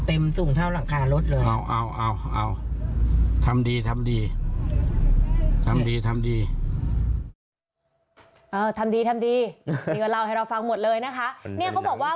เออทำดีมีกับเราให้เราฟังหมดเลยนะคะ